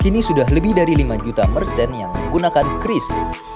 kini sudah lebih dari lima juta mers yang menggunakan kris